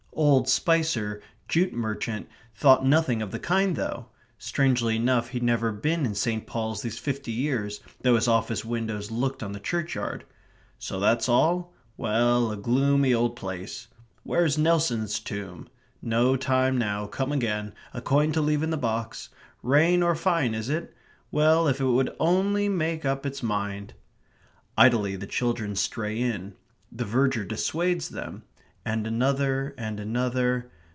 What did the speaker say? Old Spicer, jute merchant, thought nothing of the kind though. Strangely enough he'd never been in St. Paul's these fifty years, though his office windows looked on the churchyard. "So that's all? Well, a gloomy old place.... Where's Nelson's tomb? No time now come again a coin to leave in the box.... Rain or fine is it? Well, if it would only make up its mind!" Idly the children stray in the verger dissuades them and another and another